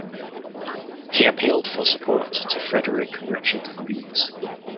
He appealed for support to Frederic Richard Lees.